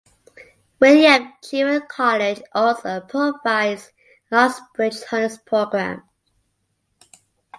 William Jewell College also provides an Oxbridge Honors Program.